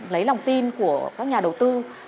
lấy lòng tin của các nhà đầu tư